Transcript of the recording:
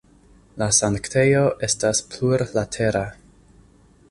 La sanktejo estas plurlatera.